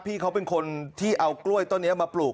พี่เขาเป็นคนที่เอากล้วยต้นนี้มาปลูก